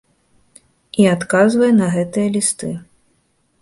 І адказвае на гэтыя лісты.